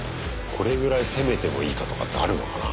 これぐらい攻めてもいいかとかってあるのかな？